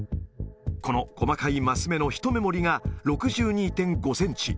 この細かいマス目の１メモリが６２．５センチ。